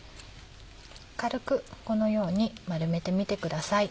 軽くこのように丸めてみてください。